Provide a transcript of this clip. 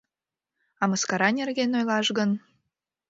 А мыскара нерген ойлаш гын...